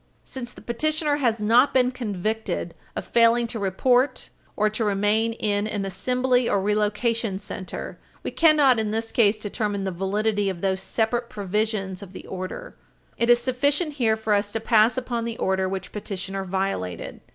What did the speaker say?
Since the petitioner has not been convicted of failing to report or to remain in an assembly or relocation center, we cannot in this case determine the validity of those separate provisions of the order. It is sufficient here for us to pass upon the order which petitioner violated.